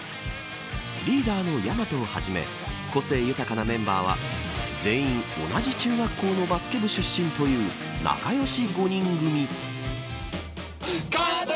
リーダーのやまとをはじめ個性豊かなメンバーは全員同じ中学校のバスケ部出身という仲良し５人組。